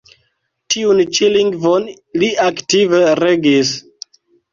Tiun ĉi lingvon li aktive regis.